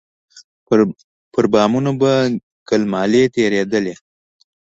پر بامونو به ګيل مالې تېرېدلې.